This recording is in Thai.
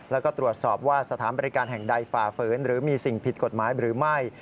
แล้วก็ตรวจสอบว่าสถานบริการแห่งใดฝ่าฝืนหรือมีสิ่งผิดกฎหมายหรือไม่